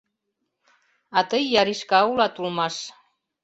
А тый яришка улат улмаш.